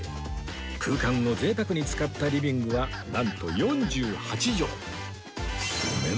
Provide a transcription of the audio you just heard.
空間を贅沢に使ったリビングはなんと４８帖